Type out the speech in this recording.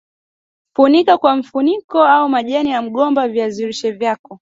funika kwa mfuniko au majani ya mgomba viazi lishe vyako